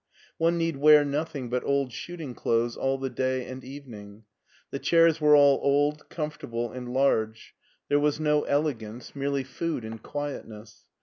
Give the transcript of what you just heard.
One need wear nothing but old shooting clothes all the day and evening. The chairs were all old, comfortable, and large ; there was no ele gance, merely food and quietness.